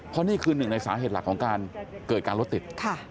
เพราะนี่คือหนึ่งในสาเหตุหลักของการเกิดการรถติด